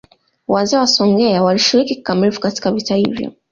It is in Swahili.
Wazee wa Songea walishiriki kikamilifu katika vita hivyo